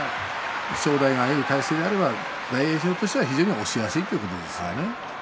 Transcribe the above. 正代が、ああいう体勢であれば大栄翔は非常に押しやすいということですね。